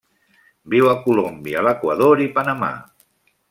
Viu a Colòmbia, l'Equador i Panamà.